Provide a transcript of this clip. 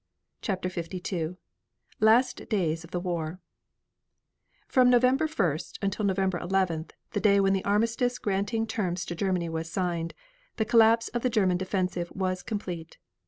CHAPTER LII LAST DAYS OF THE WAR From November 1st until November 11th, the day when the armistice granting terms to Germany was signed, the collapse of the German defensive was complete.